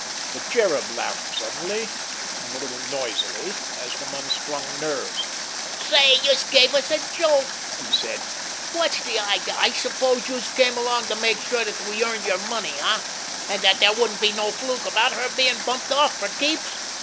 The Cherub laughed suddenly and a little noisily, as from unstrung nerves. "Say, youse gave us a jolt!" he said. "Wot's de idea? I suppose youse came along to make sure dat we earned yer money, eh, an' dat dere wouldn't be no fluke about her bein' bumped off fer keeps?